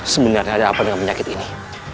sebenarnya ada apa dengan penyakit ini